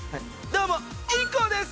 どうもＩＫＫＯです！